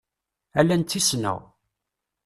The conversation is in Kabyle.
Ala netta i ssneɣ.